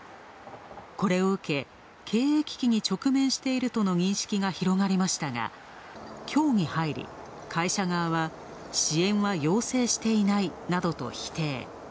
これを受け、経営危機との認識が広がりましたが今日に入り、会社側は支援は要請していないなどと否定。